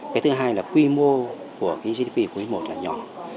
cái thứ hai là quy mô của cái gdp quý i là nhỏ